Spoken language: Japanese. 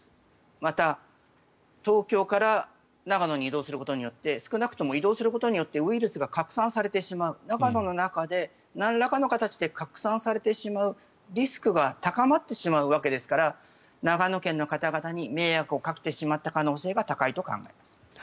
また、東京から長野に移動することによって少なくとも移動することによってウイルスが拡散されてしまう長野の中でなんらかの形で拡散されてしまうリスクが高まってしまうわけですから長野県の方々に迷惑をかけてしまった可能性が高いと考えます。